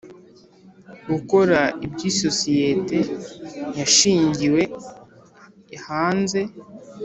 Gukora by isosiyete yashingiwe hanze